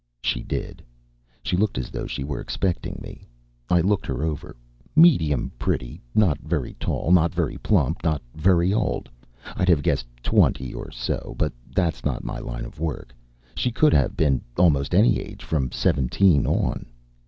She did. She looked as though she were expecting me. I looked her over medium pretty, not very tall, not very plump, not very old. I'd have guessed twenty or so, but that's not my line of work; she could have been almost any age from seventeen on.